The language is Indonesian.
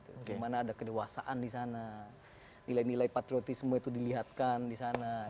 bagaimana ada kedewasaan di sana nilai nilai patriotisme itu dilihatkan di sana